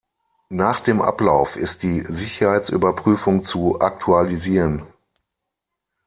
Nach dem Ablauf ist die Sicherheitsüberprüfung zu aktualisieren.